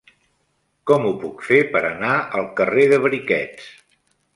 Com ho puc fer per anar al carrer de Briquets?